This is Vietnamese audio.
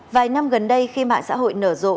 vài năm gần đây khi mạng xã hội nở rộ